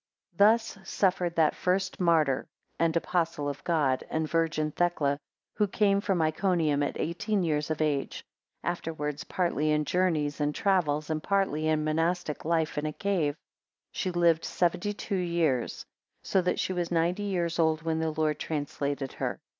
15 Thus suffered that first martyr and apostle of God, and virgin, Thecla, who came from Iconium at eighteen years of age; afterwards, partly in journeys and travels, and partly in a monastic life in the cave, she lived seventy two years; so that she was ninety years old when the Lord translated her.